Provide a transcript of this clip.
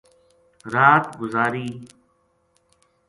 رات گزار ی